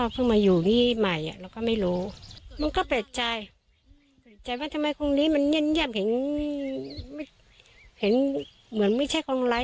เปรียบใจว่าทำไมคงนี้มันเงียบเห็นเหมือนไม่ใช่คนร้าย